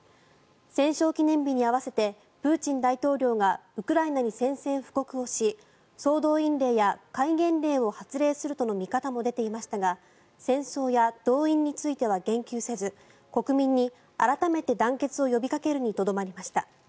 戦勝記念日に合わせてプーチン大統領がウクライナに宣戦布告をし総動員令や戒厳令を発令するとの見方も出ていましたが戦争や動員については言及せず国民に改めて団結を呼びかけるにとどまりました。